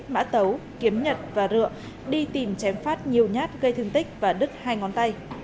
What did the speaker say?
mã tấu kiếm nhật và rượu đi tìm chém phát nhiều nhát gây thương tích và đứt hai ngón tay